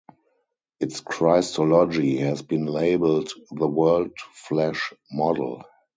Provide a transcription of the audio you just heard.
Its Christology has been labelled the "Word-flesh" model.